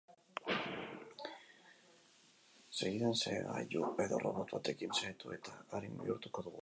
Segidan, xehegailu edo robot batekin xehetu eta irin bihurtuko dugu.